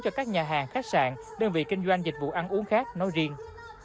cho các nhà hàng khách sạn đơn vị kinh doanh dịch vụ ăn uống khác nói riêng